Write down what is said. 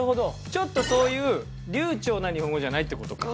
ちょっとそういう流暢な日本語じゃないって事か。